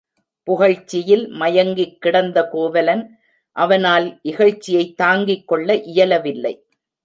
புகழ்ச்சியில் மயங்கிக் கிடந்த கோவலன் அவனால் இகழ்ச்சியைத் தாங்கிக் கொள்ள இயலவில்லை.